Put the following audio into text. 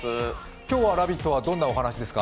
今日は「ラヴィット！」はどんなお話ですか？